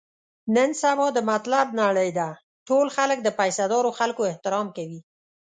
نن سبا د مطلب نړۍ ده، ټول خلک د پیسه دارو خلکو احترام کوي.